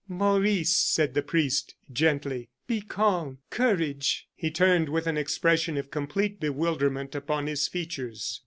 "Maurice," said the priest, gently, "be calm. Courage!" He turned with an expression of complete bewilderment upon his features.